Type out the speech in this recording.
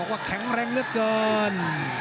บอกว่าแข็งแรงเลือดเกิน